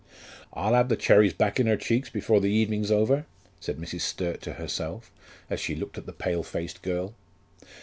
"I'll have the cherries back in her cheeks before the evening's over," said Mrs. Sturt to herself, as she looked at the pale faced girl.